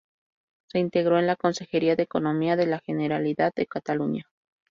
Se integró en la Consejería de Economía de la Generalidad de Cataluña.